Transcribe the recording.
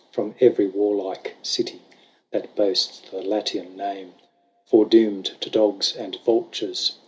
From every warlike city That boasts the Latian name. Foredoomed to dogs and vultures.